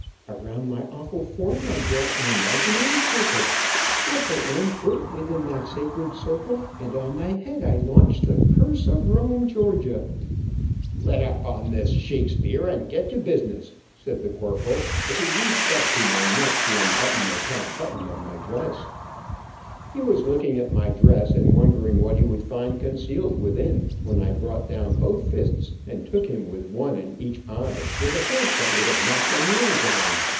Around my awful form I draw an imaginary circle. "Step but one foot within that sacred circle, and on thy head I launch the cu r r r se of Rome, Georgia." [Illustration: Gave a yell that could have been heard a mile 203] "Let up on this Shakespeare, and get to busiess, said the corporal, as he reached up to my neck to unbutton the top button of my dress. He was looking at my dress, and wondering what he would find concealed within, when I brought down both fists and took him with one in each eye, with a force that would have knocked a mule down.